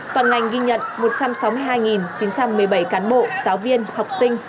toàn ngành ghi nhận một trăm sáu mươi hai chín trăm một mươi bảy cán bộ giáo viên học sinh